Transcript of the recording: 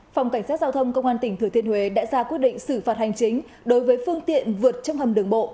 phòng cảnh sát giao thông công an tỉnh thừa thiên huế đã ra quyết định xử phạt hành chính đối với phương tiện vượt trong hầm đường bộ